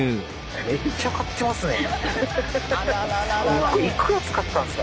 めっちゃ買ってますね。